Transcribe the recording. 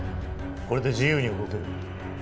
これで自由に動ける。